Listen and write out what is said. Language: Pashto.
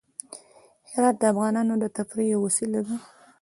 هرات د افغانانو د تفریح یوه وسیله ده.